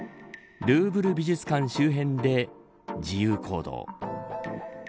ルーブル美術館周辺で自由行動。